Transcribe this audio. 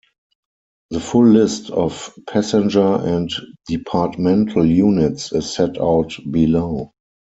The full list of passenger and departmental units is set out below.